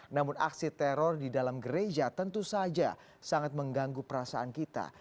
namun aksi teror di dalam gereja tentu saja sangat mengganggu perasaan kita